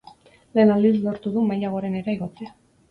Lehen aldiz lortu du maila gorenera igotzea.